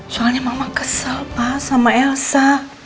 soalnya mama kesel pa sama elsa